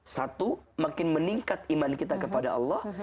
satu makin meningkat iman kita kepada allah